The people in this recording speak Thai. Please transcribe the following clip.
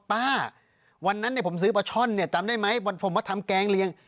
วันนั้นเนี่ยผมซื้อปลาช่อนเนี่ยจำได้ไหมวันผมมาทำแกงเลี้ยง